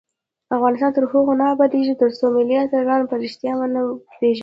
افغانستان تر هغو نه ابادیږي، ترڅو ملي اتلان په ریښتیا ونه پیژنو.